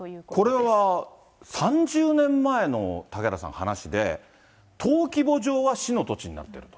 これは３０年前の嵩原さん、話で、登記簿上は市の土地になっていると。